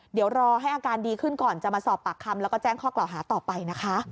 เดี๋ยวรอให้อาการดีขึ้นก่อนจะมาสอบปากคำแล้วก็แจ้งข้อกล่าวหาต่อไปนะคะ